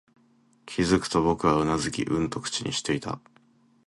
気づくと、僕はうなずき、うんと口にしていた